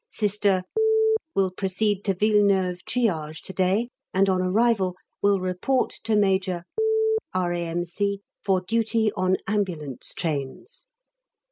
Sister will proceed to Villeneuve Triage to day, and on arrival will report to Major , R.A.M.C, for duty on Ambulance Trains."